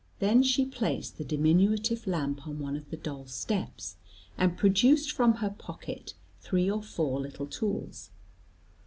Then she placed the diminutive lamp on one of the doll steps, and produced from her pocket three or four little tools.